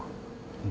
うん。